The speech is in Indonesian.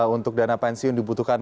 untuk dana pensiun dibutuhkan